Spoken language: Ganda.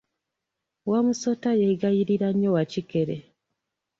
Wamusota yegayirira nnyo Wakikere.